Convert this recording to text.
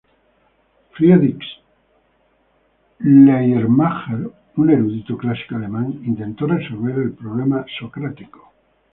Friedrich Schleiermacher, un erudito clásico alemán, intentó resolver el "Problema socrático".